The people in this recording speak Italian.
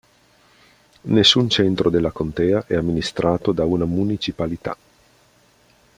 Nessun centro della contea è amministrato da una municipalità.